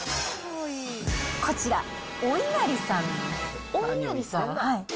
こちら、お稲荷さんです。